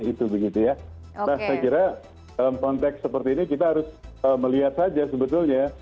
nah saya kira dalam konteks seperti ini kita harus melihat saja sebetulnya